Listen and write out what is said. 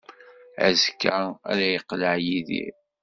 Azekka ara yeqleɛ Yidir.